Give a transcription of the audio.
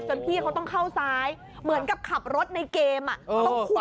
พี่เขาต้องเข้าซ้ายเหมือนกับขับรถในเกม